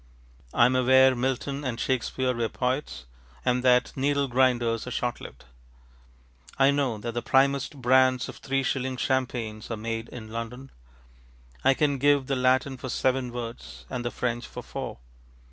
I am aware Milton and Shakespeare were poets, and that needle grinders are short lived. I know that the primest brands of three shilling champagnes are made in London. I can give the Latin for seven words, and the French for four.